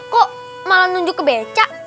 kok malah nunjuk ke becak